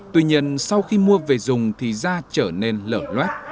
tuy nhiên sau khi mua về dùng thì da trở nên lở luet